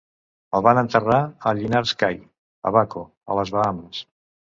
El van enterrar a Linyards Cay, Abaco, a les Bahames.